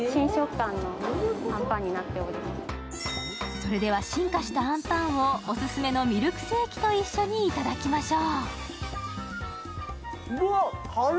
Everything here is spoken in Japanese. それでは、進化したあんぱんをオススメのミルクセーキと一緒にいただきましょう。